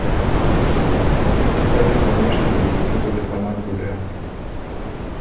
نِسئ اِر پنېشته کی، تیوسه دی بو خه نک بُډېم۔